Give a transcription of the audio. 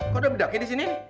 kok udah bendaki di sini